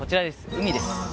海です。